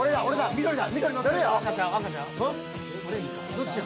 どっちや？